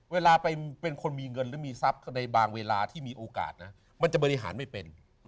เวลาไปเป็นคนมีเงินหรือมีทรัพย์ในบางเวลาที่มีโอกาสนะมันจะบริหารไม่เป็น